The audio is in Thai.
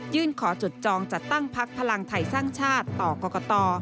ยื่นขอจดจองจัดตั้งพักภักดิ์พลังไทยสร้างชาติต่อก็กต่อ